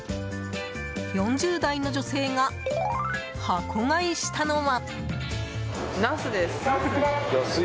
４０代の女性が箱買いしたのは。